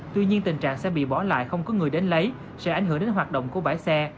tuy nhiên tình trạng xe bị bỏ lại không có người đến lấy sẽ ảnh hưởng đến hoạt động của bãi xe